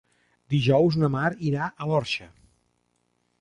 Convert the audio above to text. Dijous na Mar irà a l'Orxa.